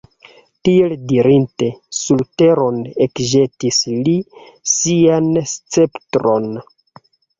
Tiel dirinte, sur teron ekĵetis li sian sceptron.